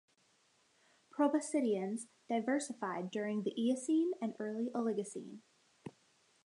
Proboscideans diversified during the Eocene and early Oligocene.